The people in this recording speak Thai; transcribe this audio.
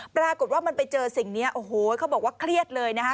ปรากฏว่ามันไปเจอสิ่งนี้โอ้โหเขาบอกว่าเครียดเลยนะคะ